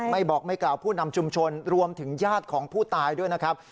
ไม่บอกไม่กล่าวผู้นำชุมชนรวมถึงญาติของผู้ตายด้วยนะครับ